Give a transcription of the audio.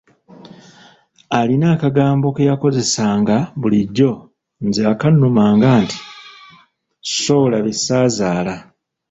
Alina nno akagambo ke yakozesanga bulijjo nze akannumanga nti; "ssoola be ssaazaala."